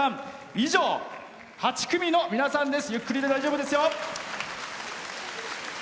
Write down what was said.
以上、８組の皆さんです。